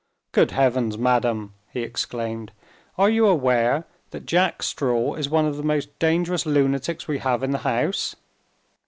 "Good Heavens, madam!" he exclaimed; "are you aware that Jack Straw is one of the most dangerous lunatics we have in the house?"